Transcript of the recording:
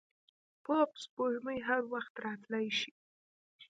پوپ سپوږمۍ هر وخت راتلای شي.